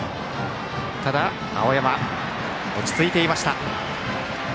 ただ、青山落ち着いていました。